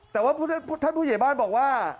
แต่ว่าท่านผู้ใหญ่บ้านบอกว่า